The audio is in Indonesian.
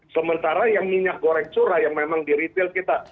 sementara yang minyak goreng curah yang memang di retail kita